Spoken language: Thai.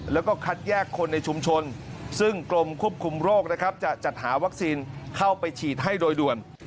โลงให้ฉีดให้โดยรวม